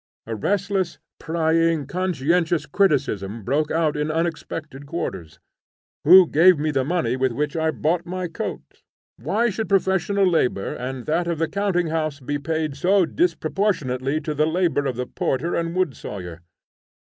A restless, prying, conscientious criticism broke out in unexpected quarters. Who gave me the money with which I bought my coat? Why should professional labor and that of the counting house be paid so disproportionately to the labor of the porter and woodsawyer?